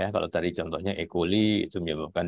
kalau tadi contohnya e coli itu menyebabkan